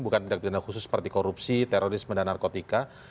bukan tindak pidana khusus seperti korupsi terorisme dan narkotika